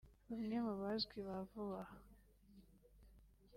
Bamwe mu bazwi ba vuba aha